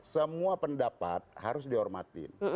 semua pendapat harus dihormatin